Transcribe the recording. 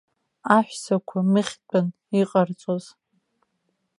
Аҳәсақәа мыхьтәын иҟарҵоз.